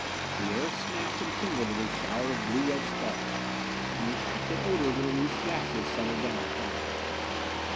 The air snapped and tingled with a shower of blue red sparks, and the acrid odor of the released gases settled down upon me.